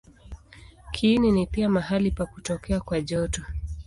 Kiini ni pia mahali pa kutokea kwa joto.